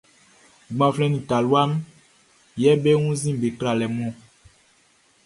Gbanflɛn nin talua mun yɛ be wunnzin be tralɛ mun ɔn.